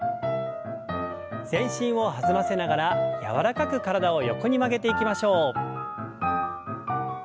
全身を弾ませながら柔らかく体を横に曲げていきましょう。